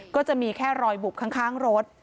ก็จะมีแค่รอยบุบข้างรถ